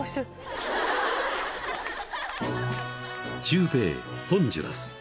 ［中米ホンジュラス］